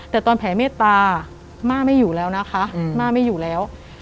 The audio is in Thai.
แต่ตอนแผ่เมตตาม่าไม่อยู่แล้วนะคะม่าไม่อยู่แล้ว